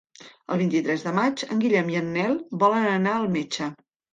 El vint-i-tres de maig en Guillem i en Nel volen anar al metge.